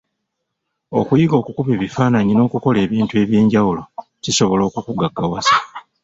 Okuyiga okukuba ebifaananyi n’okukola ebintu eby’enjawulo kisobola okukugaggawaza.